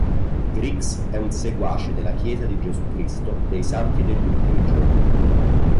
Griggs è un seguace della Chiesa di Gesù Cristo dei santi degli ultimi giorni.